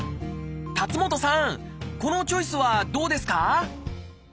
辰元さんこのチョイスはどうですか？